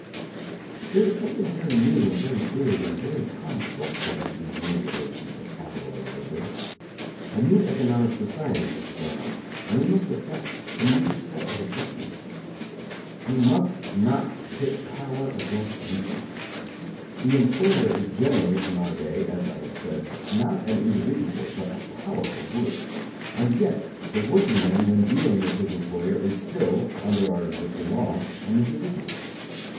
There is something very new and very big and very complex about these new relations of capital and labor. A new economic society has sprung up, and we must effect a new set of adjustments. We must not pit power against weakness. The employer is generally, in our day, as I have said, not an individual, but a powerful group; and yet the workingman when dealing with his employer is still, under our existing law, an individual.